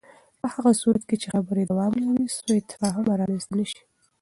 په هغه صورت کې چې خبرې دوام ولري، سوء تفاهم به رامنځته نه شي.